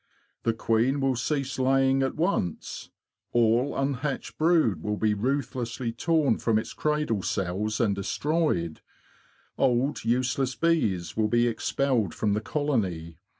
The queen will cease laying at once; all unhatched brood will be ruthlessly torn from its cradle cells and destroyed; old, useless bees will be expelled from the colony.